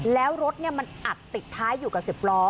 แล้วรถมันอัดติดท้ายอยู่กับ๑๐ล้อ